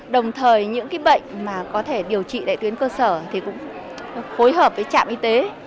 đồng thời những cái bệnh mà có thể điều trị đại tuyến cơ sở thì cũng hối hợp với trạm y tế